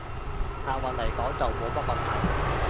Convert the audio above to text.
押韻來講，就冇乜問題